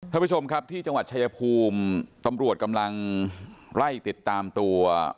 ท่านผู้ชมครับที่จังหวัดชายภูมิตำรวจกำลังไล่ติดตามตัว